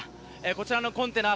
こちらのコンテナ